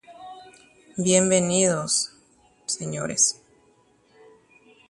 peg̃uahẽke che karaikuéra